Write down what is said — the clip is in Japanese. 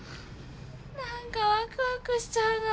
何かワクワクしちゃうな！